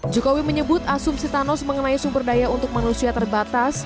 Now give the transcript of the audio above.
jokowi menyebut asumsi thanos mengenai sumber daya untuk manusia terbatas